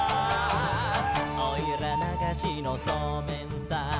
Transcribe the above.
「おいらながしのそうめんさ」